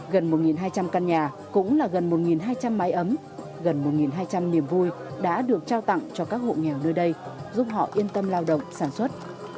gần một hai trăm linh căn nhà cũng là gần một hai trăm linh mái ấm gần một hai trăm linh niềm vui đã được trao tặng cho các hộ nghèo nơi đây giúp họ yên tâm lao động sản xuất